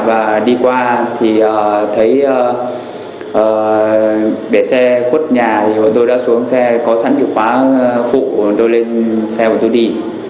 và đi qua thì thấy bẻ xe khuất nhà thì bọn tôi đã xuống xe có sẵn chìa khóa phụ rồi tôi lên xe và tôi đi